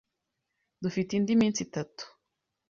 Dufite indi minsi itatu.